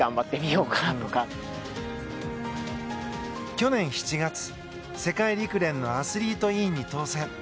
去年７月、世界陸連のアスリート委員に当選。